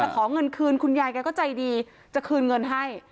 ขอเงินคืนคุณยายแกก็ใจดีจะคืนเงินให้